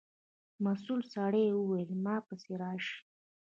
مسؤل سړي و ویل په ما پسې راشئ.